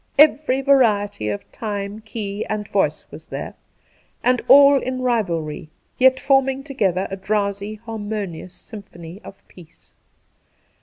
Every variety of time, key, and voice was there, , and all in rivalry, yet forming together a drowsy harmonious symphony of peace.